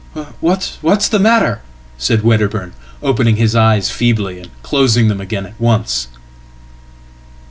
"What's the matter?" said Wedderburn, opening his eyes feebly, and closingthem again at once."